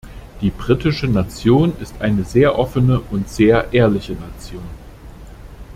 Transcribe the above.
Die britische Nation ist eine sehr offene und sehr ehrliche Nation.